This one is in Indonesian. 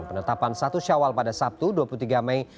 penetapan satu syawal pada sabtu dua puluh tiga mei